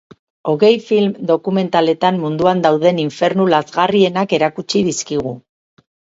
Hogei film dokumentaletan munduan dauden infernu lazgarrienak erakutsi dizkigu.